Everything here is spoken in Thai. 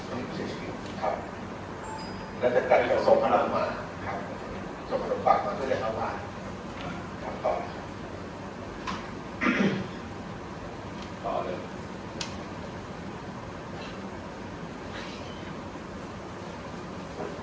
อันนี้ครับแล้วจะกัดการส่งขนาดมาครับส่งขนาดปากมาก็จะเรียกขนาดมา